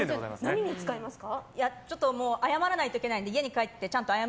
何に使いますか？